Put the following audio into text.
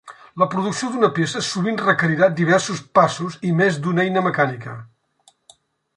La producció d'una peça sovint requerirà diversos passos i més d'una eina mecànica.